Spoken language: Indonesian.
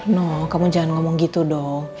no kamu jangan ngomong gitu dong